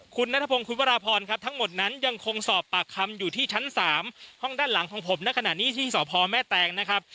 คุณนัทพงศ์คุณวราพรครับทั้งหมดนั้นยังคงสอบปากคำอยู่ที่ชั้น๓ห้องด้านหลังของผมในขณะนี้ที่สพแม่แตงนะครับ